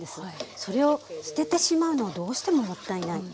それを捨ててしまうのはどうしてももったいない。